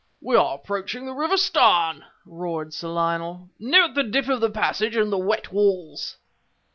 "We are approaching the River Starn!" roared Sir Lionel. "Note the dip of the passage and the wet walls!"